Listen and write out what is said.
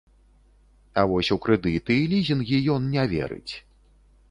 А вось у крэдыты і лізінгі ён не верыць.